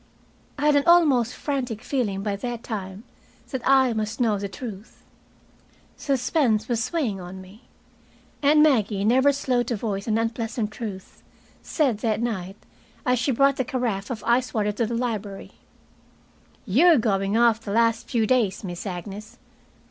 I had an almost frantic feeling by that time that I must know the truth. Suspense was weighing on me. And Maggie, never slow to voice an unpleasant truth, said that night, as she brought the carafe of ice water to the library, "You're going off the last few days, Miss Agnes."